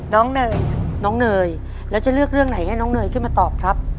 เนยน้องเนยแล้วจะเลือกเรื่องไหนให้น้องเนยขึ้นมาตอบครับ